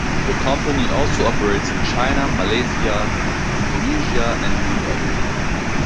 The company also operates in China, Malaysia, Indonesia and Brunei.